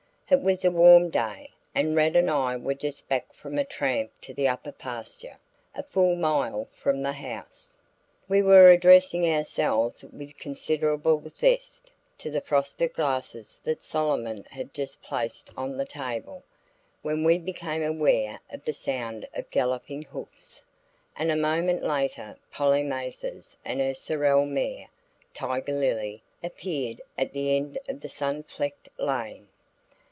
It was a warm day, and Rad and I were just back from a tramp to the upper pasture a full mile from the house. We were addressing ourselves with considerable zest to the frosted glasses that Solomon had just placed on the table, when we became aware of the sound of galloping hoofs, and a moment later Polly Mathers and her sorrel mare, Tiger Lilly, appeared at the end of the sunflecked lane.